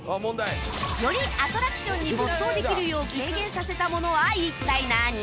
よりアトラクションに没頭できるよう軽減させたものは一体何？